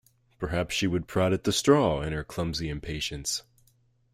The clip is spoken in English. Perhaps she would prod at the straw in her clumsy impatience.